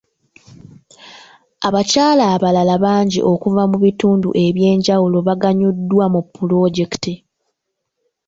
Abakyala abalala bangi okuva mu bitundu eby'enjawulo baganyuddwa mu pulojekiti.